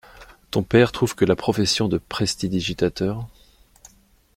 Ton père trouve que la profession de prestidigitateur…